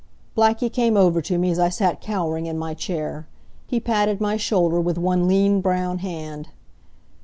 Blackie came over to me as I sat cowering in my chair. He patted my shoulder with one lean brown hand.